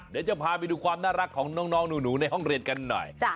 เดี๋ยวจะพาไปดูความน่ารักของน้องหนูในห้องเรียนกันหน่อย